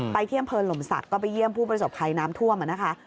ไปเที่ยงเผินหล่มสัตว์ก็ไปเยี่ยมผู้ประสบคัยน้ำท่วมนะคะ